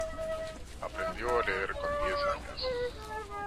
Aprendió a leer con diez años.